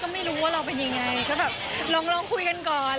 ก็ไม่รู้ว่าเราเป็นอย่างไรก็ลองคุยกันก่อน